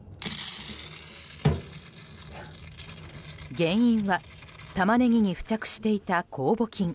原因はタマネギに付着していた酵母菌。